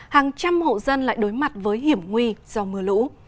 hàng trăm hộ dân lại đối mặt với hiểm nguy do mưa lũ